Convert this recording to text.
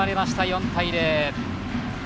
４対０。